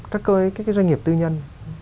các doanh nghiệp tư nhân